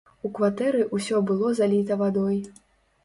У кватэры ўсё было заліта вадой.